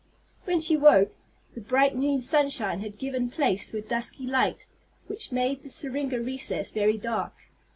When she woke, the bright noon sunshine had given place to a dusky light, which made the syringa recess very dark.